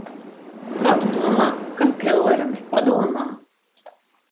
Kā tu domā, kas Kelleram ir padomā?